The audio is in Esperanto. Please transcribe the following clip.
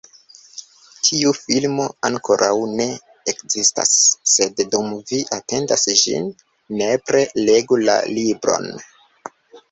Tiu filmo ankoraŭ ne ekzistas, sed dum vi atendas ĝin, nepre legu la libron!